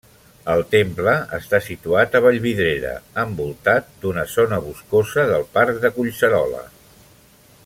El temple està situat a Vallvidrera envoltat d'una zona boscosa del parc de Collserola.